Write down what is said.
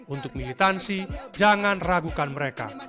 untuk militansi jangan ragukan mereka